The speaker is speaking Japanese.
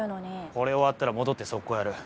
これ終わったら戻ってソッコーやる。